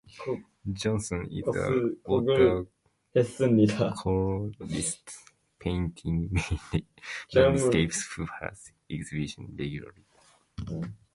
Johnson is a watercolourist, painting mainly landscapes, who has exhibited regularly.